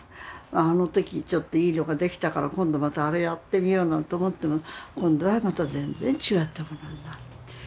あの時ちょっといい色が出来たから今度またあれやってみようなんて思っても今度はまた全然違ったものになる。